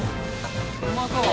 「うまそう。